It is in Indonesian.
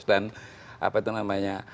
dan apa itu namanya